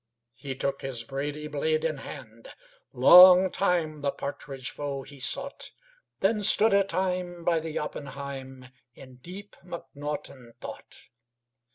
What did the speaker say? He took his brady blade in hand; Long time the partridge foe he sought. Then stood a time by the oppenheim In deep mcnaughton thought.